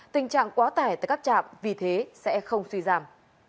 tình trạng quá tải tại các trạm vì thế sẽ không suy giảm